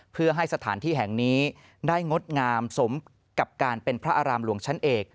เพื่อให้สถานที่แห่งนี้ได้งดงามสมกับการเป็นพระอารามหลวงชั้นเอก